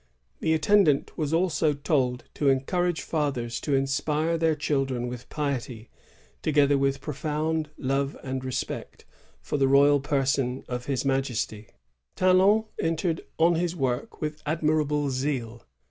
The intendant was also told to encourage fathers to inspire their children with piety, together with " profound love and respect for the royal person of his Majesty." ^ Talon entered on his work with admirable zeal.